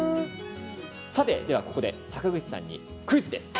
さて、ここで坂口さんにクイズです。